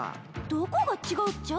どこが違うっちゃ？